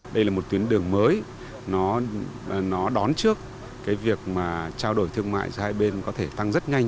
đây là một tuyến đường mới nó đón trước cái việc mà trao đổi thương mại giữa hai bên có thể tăng rất nhanh